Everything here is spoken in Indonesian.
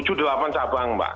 tujuh delapan cabang mbak